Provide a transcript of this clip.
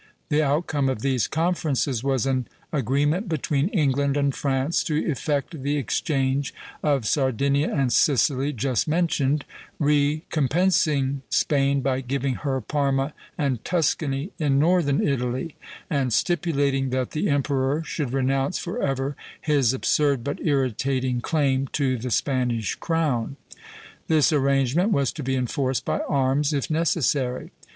The outcome of these conferences was an agreement between England and France to effect the exchange of Sardinia and Sicily just mentioned, recompensing Spain by giving her Parma and Tuscany in northern Italy, and stipulating that the emperor should renounce forever his absurd but irritating claim to the Spanish crown. This arrangement was to be enforced by arms, if necessary.